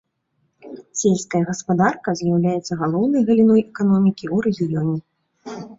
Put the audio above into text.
Сельская гаспадарка з'яўляецца галоўнай галіной эканомікі ў рэгіёне.